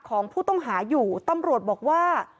ของผู้ต้องหาอยู่ตำรวจบอกว่า